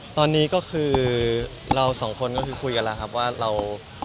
ตอนนี้ก็คือเราสองคนก็คือคุยกันแล้วครับว่าเรา